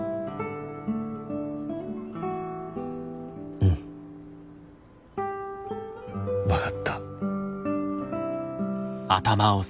うん分かった。